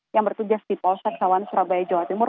yang bertugas di polsek sawan surabaya jawa timur